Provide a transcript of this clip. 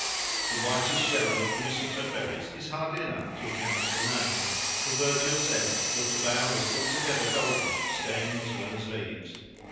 The whitish yellow of the mistletoe berries is hardly enough to account for the name, for Virgil says that the bough was altogether golden, stems as well as leaves.